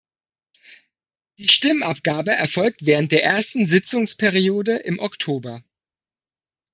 Die Stimmabgabe erfolgt während der ersten Sitzungsperiode im Oktober.